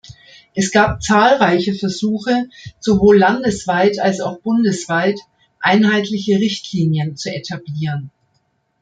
Es gab zahlreiche Versuche sowohl landesweit als auch bundesweit einheitliche Richtlinien zu etablieren.